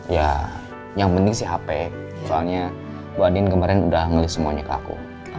ya yang penting sih hp soalnya mbak din kemarin udah ngelis semuanya ke aku